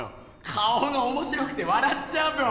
顔がおもしろくてわらっちゃうっぺよ。